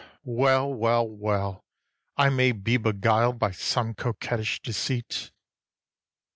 Ah well, well, well, I may be beguiled By some coquettish deceit.